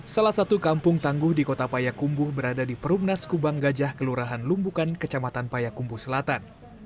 salah satu kampung tangguh di kota payakumbuh berada di perumnas kubang gajah kelurahan lumbukan kecamatan payakumbu selatan